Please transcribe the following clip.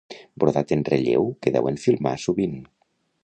Brodat en relleu que deuen filmar sovint.